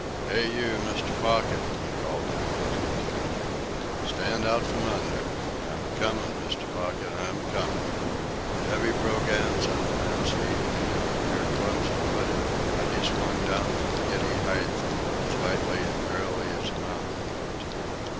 "Hey, you, Mr. Pocket!" he called down into the canyon. "Stand out from under! I'm a comin', Mr. Pocket! I'm a comin'!" The heavy brogans on the man's feet made him appear clumsy footed, but he swung down from the giddy height as lightly and airily as a mountain goat.